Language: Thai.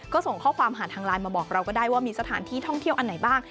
ก็ส่งข้อความผ่านทางไลน์มาบอกเราก็ได้ว่ามีสถานที่ท่องเที่ยวอันไหนบ้าง